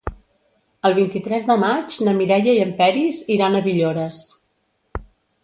El vint-i-tres de maig na Mireia i en Peris iran a Villores.